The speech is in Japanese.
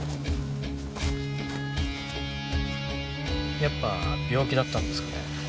やっぱ病気だったんですかね？